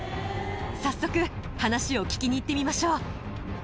早速、話を聞きに行ってみましょう。